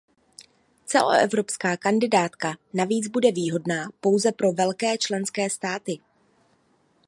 Celoevropská kandidátka navíc bude výhodná pouze pro velké členské státy.